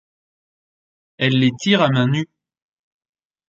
Elles les tirent à mains nues.